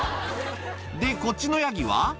で、こっちのヤギは？